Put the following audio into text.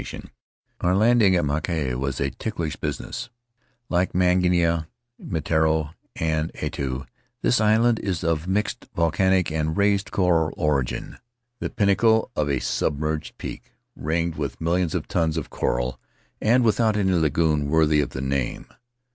Faery Lands of the South Seas Our landing on Mauke was a ticklish business , Like Mangaia, Mitiaro, and Atiu, this island is of mixed volcanic and raised coral origin — the pinnacle of a sub merged peak, ringed with millions of tons of coral, and without any lagoon worthy of the name.